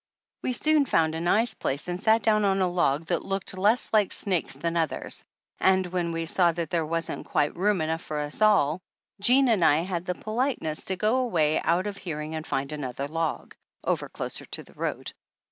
We soon found a nice place and sat down on a log that looked less like snakes than the others, and when we saw that there wasn't quite room enough for us all Jean and I had the politeness to go away out of hearing and find another log, over closer to the road.